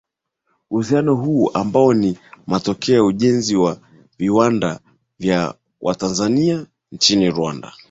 Uhusiano huu ambao ni matokeo ya ujenzi wa viwanda vya Watanzania nchini Rwanda